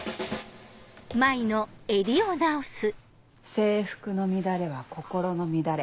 制服の乱れは心の乱れ。